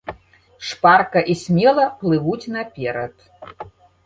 Шпарка і смела плывуць наперад.